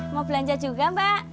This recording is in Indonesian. mau belanja juga mbak